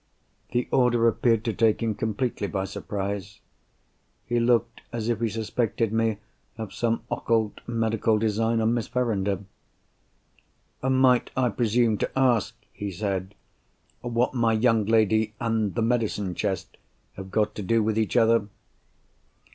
The order appeared to take him completely by surprise. He looked as if he suspected me of some occult medical design on Miss Verinder! "Might I presume to ask," he said, "what my young lady and the medicine chest have got to do with each other?"